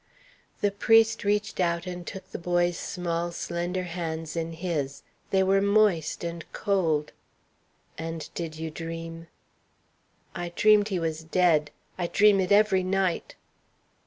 The priest reached out and took the boy's small, slender hands in his. They were moist and cold. "And did you dream" "I dreamed he was dead. I dream it every night."